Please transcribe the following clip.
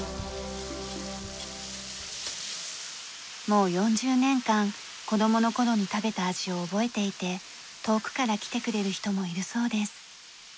もう４０年間子供の頃に食べた味を覚えていて遠くから来てくれる人もいるそうです。